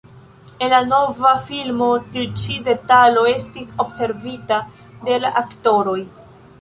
En la nova filmo tiu ĉi detalo estis observita de la aktoroj.